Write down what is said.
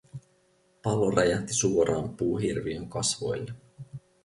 Pallo räjähti suoraan puuhirviön kasvoille.